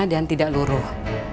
dan tidak luruh